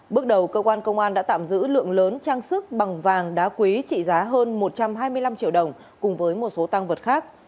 bước đầu cơ quan công an đã tạm giữ lượng lớn trang sức bằng vàng đá quý trị giá hơn một trăm hai mươi năm triệu đồng cùng với một số tăng vật khác